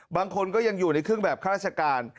บางคนก็ยังอยู่ในเครื่องแบบข้าราชการ